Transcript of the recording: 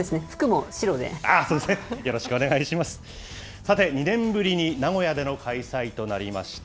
さて、２年ぶりに名古屋での開催となりました。